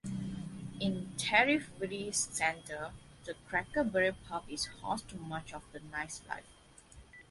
In Tariffville's center, the Cracker Barrel Pub is host to much of the night-life.